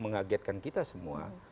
mengagetkan kita semua